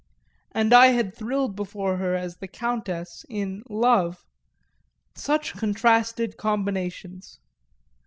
And I had thrilled before her as the Countess in "Love" such contrasted combinations!